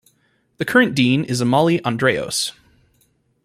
The current dean is Amale Andraos.